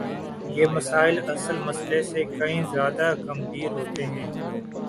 یہ مسائل اصل مسئلے سے کہیں زیادہ گمبھیر ہوتے ہیں۔